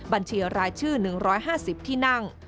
บัญชีรายชื่อ๑๕๐ที่นั่ง